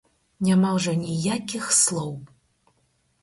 Няма ўжо ніякіх слоў!